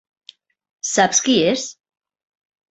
¿Saps qui és?